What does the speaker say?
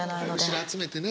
後ろ集めてね。